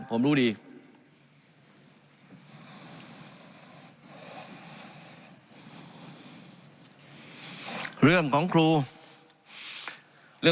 การปรับปรุงทางพื้นฐานสนามบิน